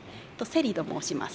セリと申します。